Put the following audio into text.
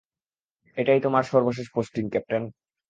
এটাই তোমার সর্বশেষ পোস্টিং, ক্যাপ্টেন।